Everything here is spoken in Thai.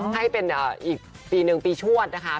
ให้เป็นอีกปีหนึ่งปีชวดนะคะ